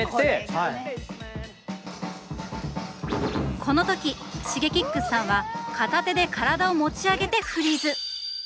この時Ｓｈｉｇｅｋｉｘさんは片手で体を持ち上げてフリーズ！